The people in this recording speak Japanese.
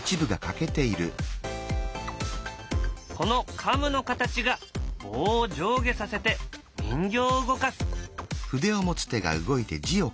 このカムの形が棒を上下させて人形を動かす。